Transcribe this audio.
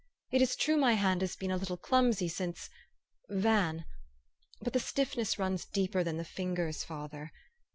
It is true my hand has been a little clumsy since Van But the stiffness runs deeper than the fingers, father.